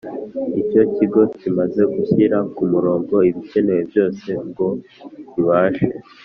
Icyo kigo kimaze gushyira ku murongo ibikenewe byose ngo kibashe